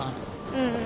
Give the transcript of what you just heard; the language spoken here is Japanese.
うん。